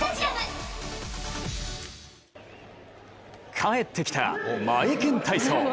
帰ってきた、マエケン体操。